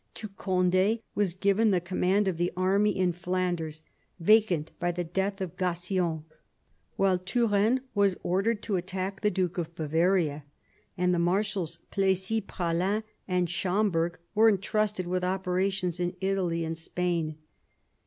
To Cond^ was given the command of the army in Flanders, vacant by the death of Gassion, while Turenne was ordered to attack the Duke of Bavaria, and the Marshals Plessis Praslin and Schomberg were entrusted with operations in Italy and Spain.